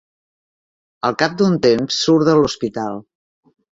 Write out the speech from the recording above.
Al cap d'un temps surt de l'hospital.